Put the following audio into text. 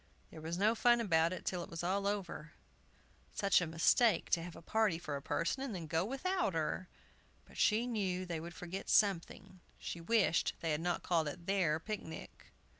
There was no fun about it till it was all over. Such a mistake to have a party for a person, and then go without her; but she knew they would forget something! She wished they had not called it their picnic.